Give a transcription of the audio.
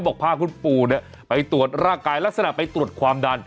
พาคุณปู่ไปตรวจร่างกายลักษณะไปตรวจความดัน